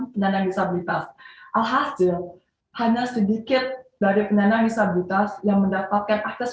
penyandang disabilitas alhasil hanya sedikit dari penyandang disabilitas yang mendapatkan akses